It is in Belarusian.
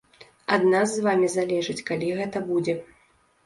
А ад нас з вамі залежыць, калі гэта будзе.